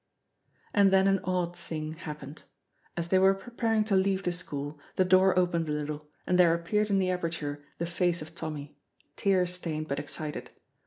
And then an odd thing happened. As they were preparing to leave the school, the door opened a little and there appeared in the aperture the face of Tommy, tear stained but excited.